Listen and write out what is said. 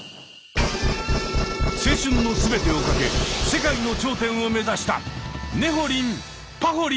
青春の全てを懸け世界の頂点を目指した！